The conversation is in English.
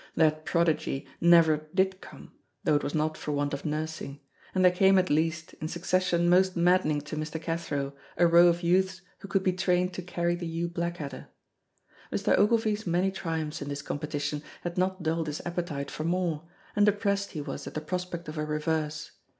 That prodigy never did come, though it was not for want of nursing, and there came at least, in succession most maddening to Mr. Cathro, a row of youths who could be trained to carry the Hugh Blackadder. Mr. Ogilvy's many triumphs in this competition had not dulled his appetite for more, and depressed he was at the prospect of a reverse.